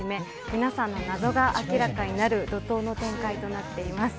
皆さんの謎が明らかになる怒涛の展開となっています。